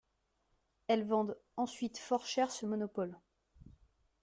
Elles vendent ensuite fort cher ce monopole.